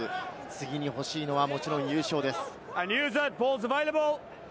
次に欲しいのはもちろん優勝です。